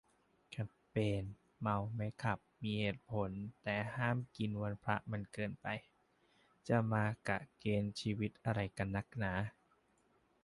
แคมเปญ เมาไม่ขับ มีเหตุผล แต่ห้ามกินวันพระมันเกินไป จะมากะเกณฑ์ชีวิตอะไรกันนักหนา